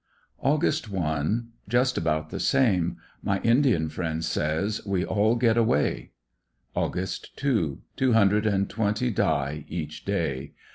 Aug. 1. — Just about the same. My Indian friend says: ''We all get away," Aug. 2. — Two hundred and twenty die each day.